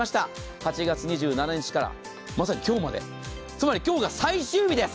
８月２７日からまさに今日まで、つまり今日が最終日です。